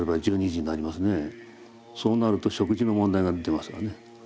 そうなると食事の問題が出ますわね。